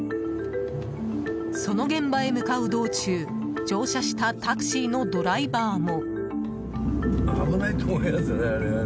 その現場へ向かう道中乗車したタクシーのドライバーも。